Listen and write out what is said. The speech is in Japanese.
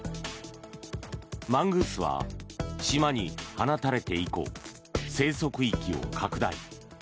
マングースは島に放たれて以降生息域を拡大。